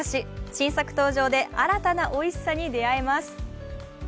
新作登場で新たなおいしさに出会えます。